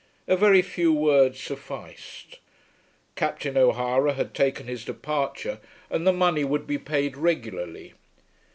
A very few words sufficed. Captain O'Hara had taken his departure, and the money would be paid regularly.